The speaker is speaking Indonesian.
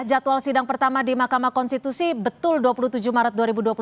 jadwal sidang pertama di mahkamah konstitusi betul dua puluh tujuh maret dua ribu dua puluh tiga